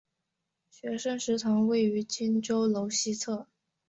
学生食堂位于荆州楼西侧。